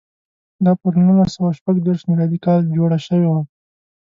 دا پر نولس سوه شپږ دېرش میلادي کال جوړه شوې وه.